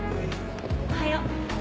おはよう。